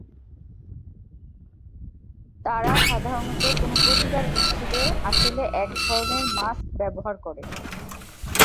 তারা সাধারনত কোন প্রতিবাদ মিছিলে আসলে এক ধরনের মাস্ক ব্যবহার করে।